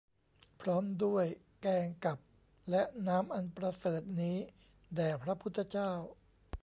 พร้อมด้วยแกงกับและน้ำอันประเสริฐนี้แด่พระพุทธเจ้า